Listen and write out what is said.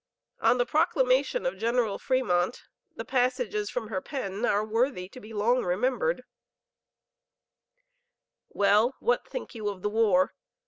On the proclamation of General Fremont, the passages from her pen are worthy to be long remembered: "Well, what think you of the war?